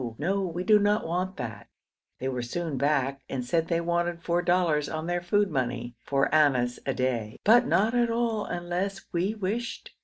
No! We do not want that.' They were soon back, and said they wanted four dollars on their food money (four annas a day), 'but not at all unless we wished.'